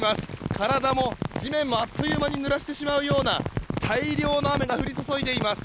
体も地面もあっという間に濡らしてしまうような大量の雨が降り注いでいます。